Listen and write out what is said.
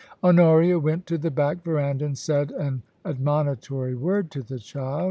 Honoria went to the back verandah and said an admoni tory word to the child.